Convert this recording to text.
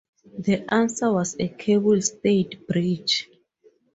The answer was a cable-stayed bridge.